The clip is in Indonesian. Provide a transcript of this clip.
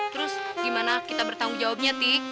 terus bagaimana kita bertanggung jawabnya ti